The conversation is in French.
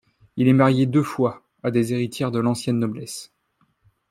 Il est marié deux fois, à des héritières de l'ancienne noblesse.